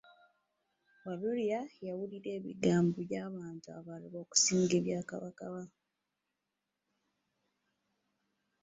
Walulya yawulira ebigambo by'abantu abalala okusinga ebya Kabaka we.